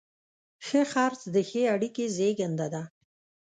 ښه خرڅ د ښې اړیکې زیږنده ده.